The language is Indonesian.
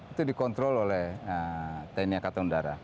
itu dikontrol oleh tni angkatan udara